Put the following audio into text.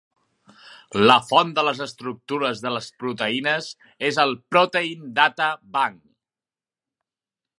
La font de les estructures de les proteïnes és el Protein Data Bank.